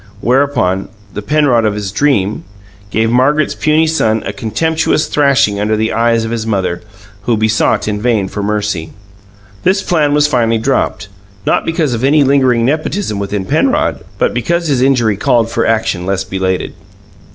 Whereupon, the Penrod of his dream gave Margaret's puny son a contemptuous thrashing under the eyes of his mother, who besought in vain for mercy. This plan was finally dropped, not because of any lingering nepotism within Penrod, but because his injury called for action less belated.